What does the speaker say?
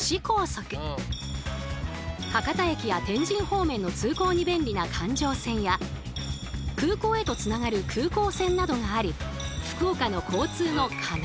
博多駅や天神方面の通行に便利な環状線や空港へとつながる空港線などがある福岡の交通の要。